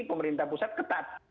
pemerintah pusat ketat